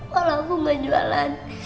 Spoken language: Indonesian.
walau aku menjualan